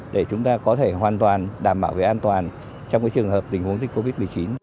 để chúng ta có thể hoàn toàn đảm bảo về an toàn trong trường hợp tình huống dịch covid một mươi chín